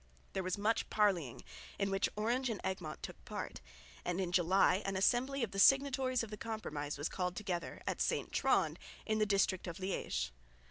There was much parleying, in which Orange and Egmont took part; and in July an assembly of the signatories of the Compromise was called together at St Trond in the district of Liège.